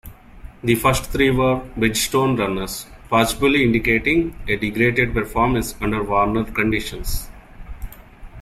The first three were Bridgestone runners, possibly indicating a degraded performance under warmer conditions.